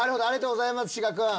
ありがとうございます志賀君。